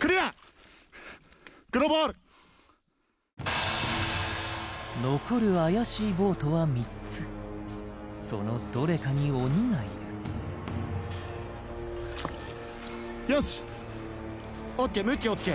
クリア黒ボール残る怪しいボートは３つそのどれかに鬼がいるよしＯＫ